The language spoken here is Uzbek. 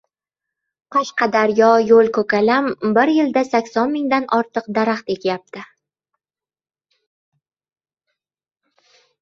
“Qashqadaryoyo‘lko‘kalam” bir yilda sakson mingdan ortiq daraxt ekyapti